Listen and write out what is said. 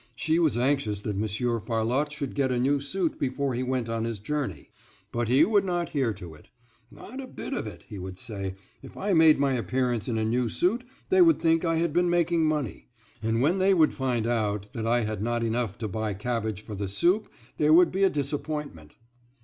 She was anxious that Monsieur Farlotte should get a new suit before he went on his journey; but he would not hear to it. "Not a bit of it," he would say, "if I made my appearance in a new suit, they would think I had been making money; and when they would find out that I had not enough to buy cabbage for the soup there would be a disappointment."